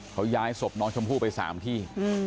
เขาย้ายศพน้องชมพู่ไป๓ที่